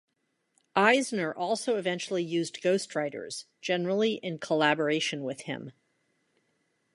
Eisner also eventually used ghostwriters, generally in collaboration with him.